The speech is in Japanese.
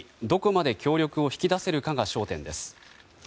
どこまで協力を引き出せるかが焦点です。